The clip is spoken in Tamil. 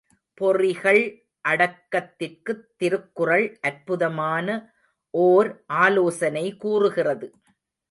பொறிகள் அடக்கத்திற்குத் திருக்குறள் அற்புதமான ஓர் ஆலோசனை கூறுகிறது.